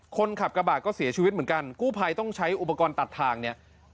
คนขับกระบาดก็เสียชีวิตเหมือนกันกู้ภัยต้องใช้อุปกรณ์ตัดทางเนี่ย